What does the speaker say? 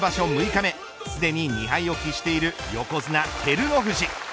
６日目すでに２敗を喫している横綱、照ノ富士。